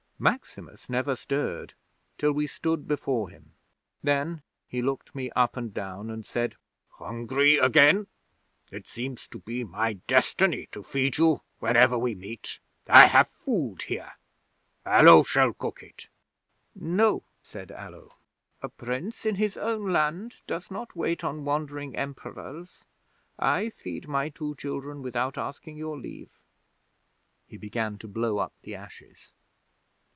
'Maximus never stirred till we stood before him. Then he looked me up and down, and said: "Hungry again? It seems to be my destiny to feed you whenever we meet. I have food here. Allo shall cook it." '"No," said Allo. "A Prince in his own land does not wait on wandering Emperors. I feed my two children without asking your leave." He began to blow up the ashes.